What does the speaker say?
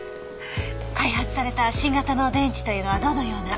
開発された新型の電池というのはどのような？